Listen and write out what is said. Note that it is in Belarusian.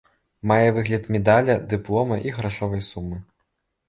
Мае выгляд медаля, дыплома і грашовай сумы.